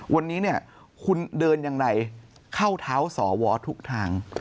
วันนี้เนี่ยคุณเดินยังไงเข้าเท้าสวทุกทาง